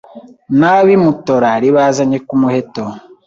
N'ab'i Mutora ribazanye ku muheto